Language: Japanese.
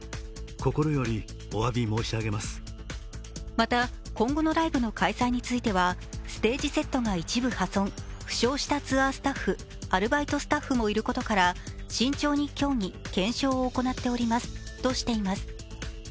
また、今後のライブの開催についてはステージセットが一部破損、負傷したツアースタッフ、アルバイトスタッフもいることから慎重に協議、検証を行っておりますとしています。